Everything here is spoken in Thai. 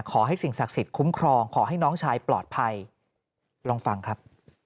ขอให้สิ่งศักดิ์สิทธิคุ้มครองขอให้น้องชายปลอดภัยลองฟังครับ